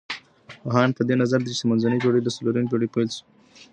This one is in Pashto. پوهان په دې نظر دي چي منځنۍ پېړۍ له څلورمې پېړۍ پيل سوې.